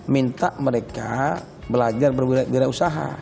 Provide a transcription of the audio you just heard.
minta mereka belajar berwirausaha